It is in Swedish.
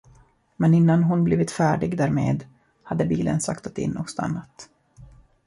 Men innan hon blivit färdig därmed, hade bilen saktat in och stannat.